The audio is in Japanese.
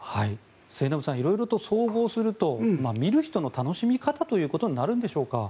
末延さん色々と総合すると見る人の楽しみ方ということになるんでしょうか。